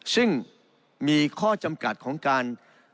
ซึ่งมีข้อจำกัดของการ